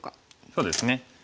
そうですね。